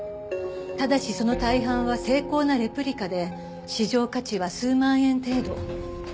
ただしその大半は精巧なレプリカで市場価値は数万円程度。